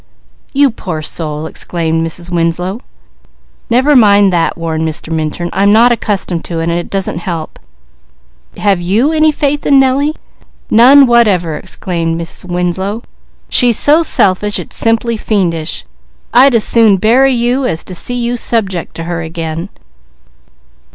"You poor soul!" exclaimed Mrs. Winslow. "Never mind that!" warned Mr. Minturn. "I'm not accustomed to it, and it doesn't help. Have you any faith in Nellie?" "None whatever!" exclaimed Mrs. Winslow. "She's so selfish it's simply fiendish. I'd as soon bury you as to see you subject to her again."